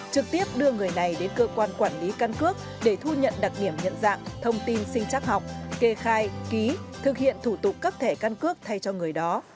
trực tiếp đưa người này đến cơ quan quản lý căn cước để thu nhận đặc điểm nhận dạng thông tin sinh chắc học kê khai ký thực hiện thủ tục cấp thẻ căn cước thay cho người đó